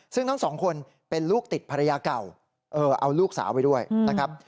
ซึ่งทั้งสองคนเป็นลูกติดภรรยาเก่าเอาลูกสาวไปด้วยนะครับ